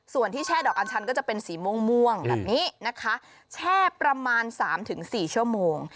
ส่วนที่แช่ดอกอัญชันก็จะเป็นสีม่วงแบบนี้นะคะแช่ประมาณ๓๔ชั่วโมง